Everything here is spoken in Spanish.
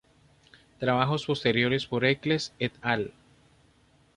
Trabajos posteriores por Eccles "et al.